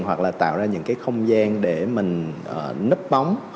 hoặc là tạo ra những cái không gian để mình nứt bóng